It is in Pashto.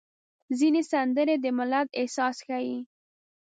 ځینې سندرې د ملت احساس ښيي.